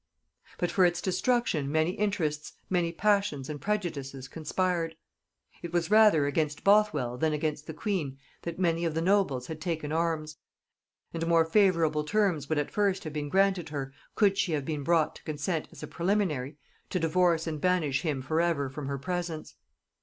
But for its destruction many interests, many passions and prejudices conspired. It was rather against Bothwell than against the queen that many of the nobles had taken arms; and more favorable terms would at first have been granted her, could she have been brought to consent as a preliminary to divorce and banish him for ever from her presence.